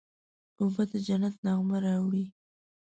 اوبه د جنت نغمه راوړي.